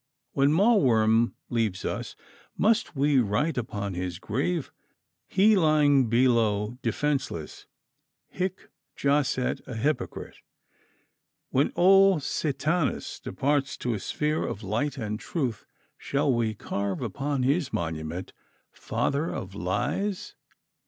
When Mawworm leaves us, must we write upon his grave, he lying below defenceless, "Hic jacet a hypocrite"? When old Sathanas departs to a sphere of light and truth, shall we carve upon his monument, "Father of lies"?